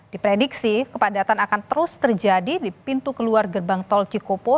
diprediksi kepadatan akan terus terjadi di pintu keluar gerbang tol cikopo